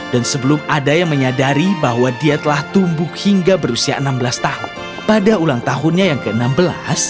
dan sebelum ada yang menyadari bahwa dia telah tumbuh hingga berusia enam belas tahun pada ulang tahunnya yang ke enam belas